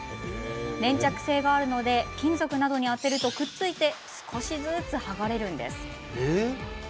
粘着性があるので金属などに当てるとくっついて少しずつ剥がれるんです。